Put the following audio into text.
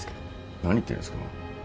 何言ってんですか。